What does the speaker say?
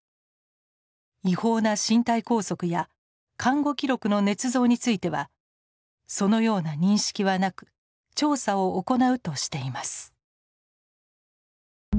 違法な身体拘束や看護記録のねつ造についてはそのような認識はなく調査を行うとしています。